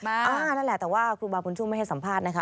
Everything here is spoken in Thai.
นั่นแหละแต่ว่าครูบาบุญชุมไม่ให้สัมภาษณ์นะคะ